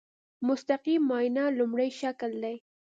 مستقیم معاینه لومړی شکل دی.